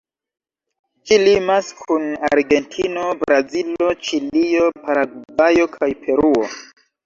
Ĝi limas kun Argentino, Brazilo, Ĉilio, Paragvajo kaj Peruo.